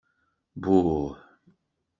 Buh!